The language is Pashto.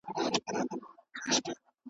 کښتۍ هم ورڅخه ولاړه پر خپل لوري .